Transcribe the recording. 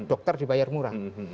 dokter dibayar murah